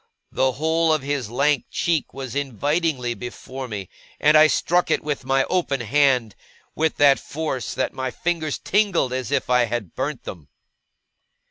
The whole of his lank cheek was invitingly before me, and I struck it with my open hand with that force that my fingers tingled as if I had burnt them.